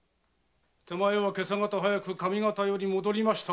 手前は今朝がた早く上方より戻りましたばかり。